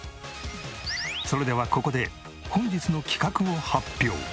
それではここで本日の企画を発表。